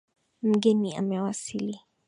Mgeni amewasili